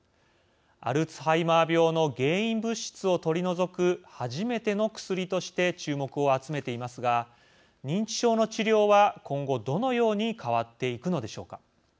アルツハイマー病の原因物質を取り除く初めての薬として注目を集めていますが認知症の治療は今後、どのように変わっていくのでしょうか。